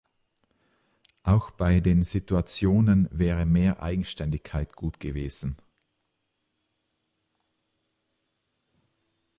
Auch bei den Situationen wäre mehr Eigenständigkeit gut gewesen.